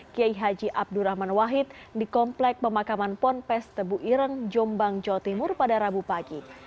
kiai haji abdurrahman wahid di komplek pemakaman ponpes tebu ireng jombang jawa timur pada rabu pagi